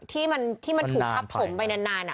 ที่มันถูกทับถมไปนาน